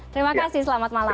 terima kasih selamat malam